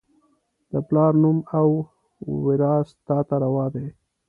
د پلار نوم او، وراث تا ته روا دي